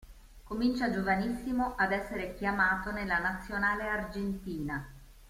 Comincia giovanissimo ad essere chiamato nella nazionale argentina.